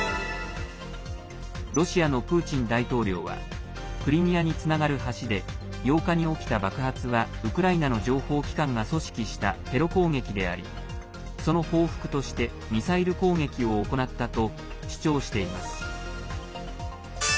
ロシアのプーチン大統領はクリミアにつながる橋で８日に起きた爆発はウクライナの情報機関が組織したテロ攻撃でありその報復として、ミサイル攻撃を行ったと主張しています。